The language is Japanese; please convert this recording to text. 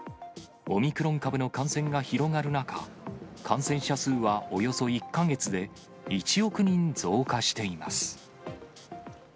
オミクロン株の感染が広がる中、感染者数はおよそ１か月で１億人増加しています。